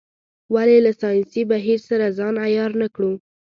ولې له ساینسي بهیر سره ځان عیار نه کړو.